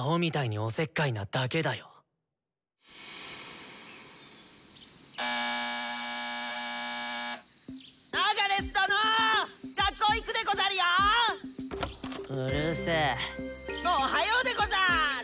おはようでござーる！